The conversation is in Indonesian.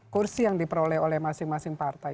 kursi yang diperoleh oleh masing masing partai